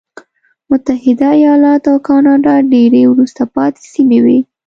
متحده ایالات او کاناډا ډېرې وروسته پاتې سیمې وې.